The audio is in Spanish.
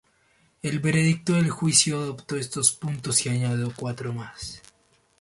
El veredicto del juicio adoptó estos puntos y añadió cuatro más.